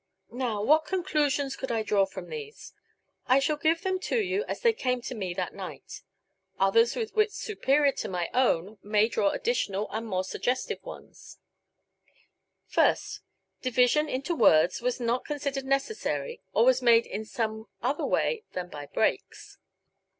Now what conclusions could I draw from these? I shall give them to you as they came to me that night. Others with wits superior to my own may draw additional and more suggestive ones: First: Division into words was not considered necessary or was made in some other way than by breaks.